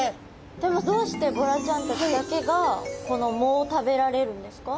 でもどうしてボラちゃんたちだけがこの藻を食べられるんですか？